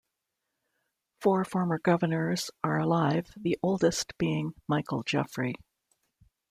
Four former governors are alive, the oldest being Michael Jeffery.